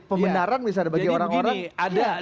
pemenarang bagi orang orang jadi begini ada